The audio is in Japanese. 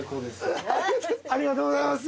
ありがとうございます。